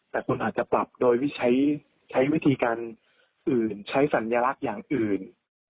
แต่คุณอาจจะปรับโดยใช้วิธีการอื่นใช้สัญลักษณ์อย่างอื่น